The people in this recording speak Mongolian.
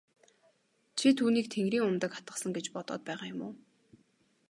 Чи түүнийг тэнгэрийн умдаг атгасан гэж бодоод байгаа юм уу?